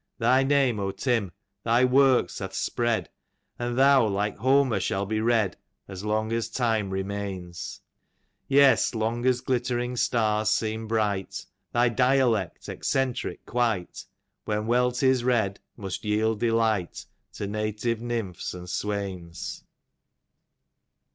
Thy name O Tim, thy works hath spread, And thou like Homer shall be read, As long as time remains ; Tes long as glittering stars seem bright, Thy dialect eccentric quite, When well 'tis read must yield delight, To natire nymphs and swains.